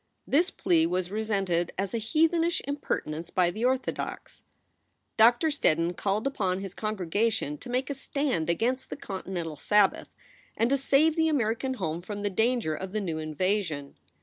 This plea was resented as a heathenish impertinence by the orthodox. Doctor Steddon called upon his congregation to make a stand against the "continental Sabbath" and to save the American home from the danger of the new invasion.